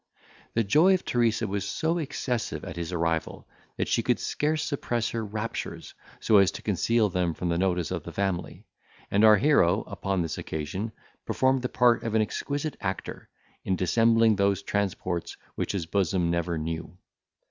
The joy of Teresa was so excessive at his arrival, that she could scarce suppress her raptures, so as to conceal them from the notice of the family; and our hero, upon this occasion, performed the part of an exquisite actor, in dissembling those transports which his bosom never knew.